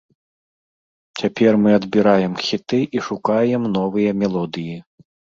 Цяпер мы адбіраем хіты і шукаем новыя мелодыі.